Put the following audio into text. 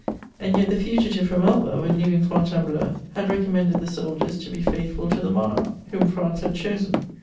And yet the fugitive from Elba, when leaving Fontainebleau, had recommended the soldiers to be "faithful to the monarch" whom France had chosen.